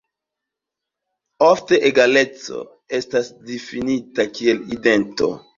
Ofte egaleco estas difinita kiel idento.